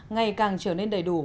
ngày càng trở nên đầy đủ